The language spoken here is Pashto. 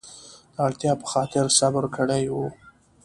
د اړتیا په خاطر صبر کړی و.